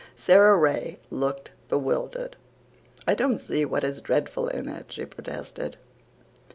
Sara Ray looked bewildered. "I don't see what is dreadful in it," she protested.